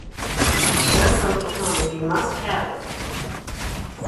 Yes, Uncle Tom, if you must have it.